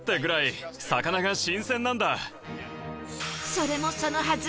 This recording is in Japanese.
それもそのはず